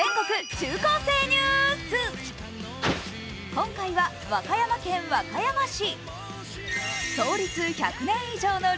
今回は和歌山県和歌山市。